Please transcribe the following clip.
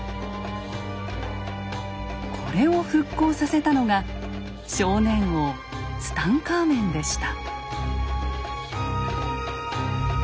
これを復興させたのが少年王ツタンカーメンでした。